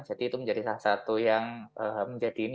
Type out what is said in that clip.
jadi itu menjadi salah satu yang menjadi ini